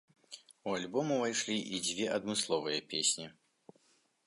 У альбом ўвайшлі і дзве адмысловыя песні.